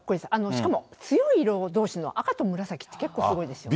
しかも強い色どうしの赤と紫って、すごいですよね。